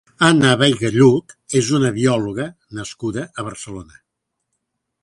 Anna Veiga Lluch és una biòloga nascuda a Barcelona.